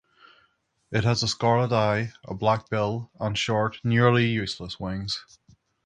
It has a scarlet eye, a black bill, and short, nearly useless wings.